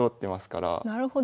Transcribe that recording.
なるほど。